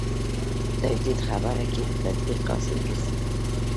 تجدید خبره کې تطبیق حاصل ګرځي.